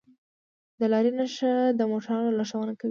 د لارې نښه د موټروان لارښوونه کوي.